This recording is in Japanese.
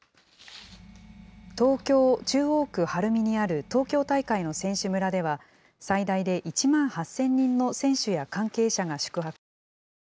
東京・中央区晴海にある東京大会の選手村では、最大で１万８０００人の選手や関係者が宿泊します。